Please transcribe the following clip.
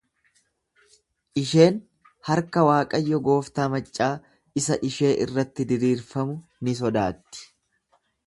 Isheen harka Waaqayyo gooftaa maccaa isa ishee irratti diriirfamu ni sodaatti.